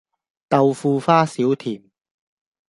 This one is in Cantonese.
豆腐花少甜